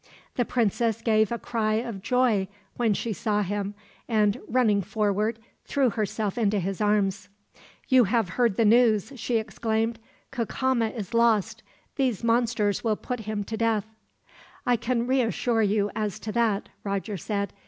The princess gave a cry of joy when she saw him and, running forward, threw herself into his arms. "You have heard the news?" she exclaimed. "Cacama is lost. These monsters will put him to death." "I can reassure you as to that," Roger said.